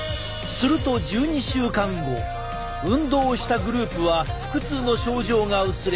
すると１２週間後運動をしたグループは腹痛の症状が薄れ